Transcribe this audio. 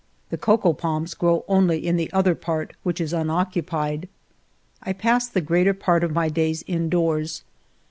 The cocoa palms grow only in the other part, which is unoccupied. I pass the greater part of my days indoors.